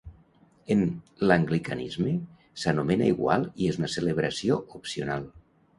En l'Anglicanisme s'anomena igual i és una celebració opcional.